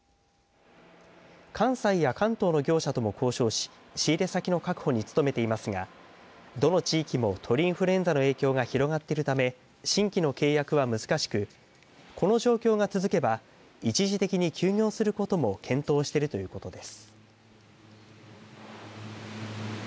関西や関東の業者とも交渉し仕入れ先の確保に努めていますがどの地域も鳥インフルエンザの影響が広がっているため新規の契約は難しくこの状況が続けば一時的に休業することも検討しているということです。